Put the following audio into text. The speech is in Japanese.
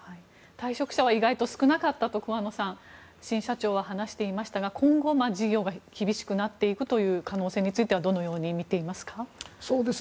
退職者は意外と少なかったと新社長は話していましたが今後、事業が厳しくなっていく可能性についてはどのように見ていますか？